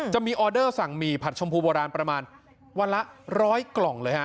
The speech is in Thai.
ออเดอร์สั่งหมี่ผัดชมพูโบราณประมาณวันละ๑๐๐กล่องเลยฮะ